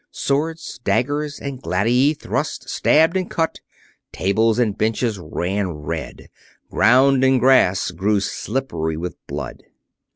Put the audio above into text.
Swords, daggers, and gladii thrust, stabbed, and cut. Tables and benches ran red; ground and grass grew slippery with blood.